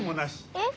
えっ？